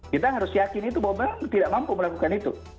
kita harus yakin itu bahwa memang tidak mampu melakukan itu